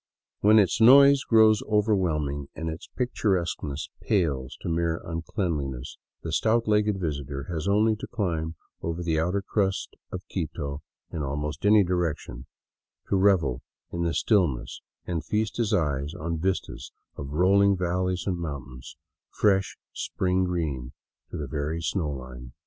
But when its noise grows overwhelming and its picturesqueness pales to mere uncleanliness, the stout legged visitor has only to climb over the outer crust of Quito in almost any direction to revel in the stillness and feast his eyes on vistas of rolling valleys and mountains, fresh spring green to the very snow line.